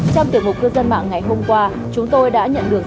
trong tiệm hụt cư dân mạng ngày hôm qua chúng tôi đã nhận được sản phẩm của quốc hội